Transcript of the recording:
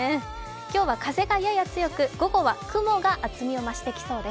今日は風がやや強く、午後は雲が厚みを増してきそうです。